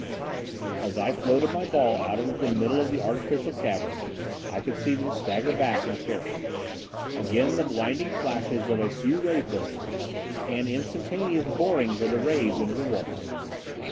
As I floated my ball out into the middle of the artificial cavern I could see them stagger back in terror. Again the blinding flashes of a few ray pistols, and instantaneous borings of the rays into the walls.